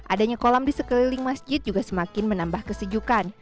adanya kolam di sekeliling masjid juga semakin menambah kesejukan